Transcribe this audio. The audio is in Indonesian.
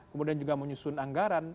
kemudian juga menyusun anggaran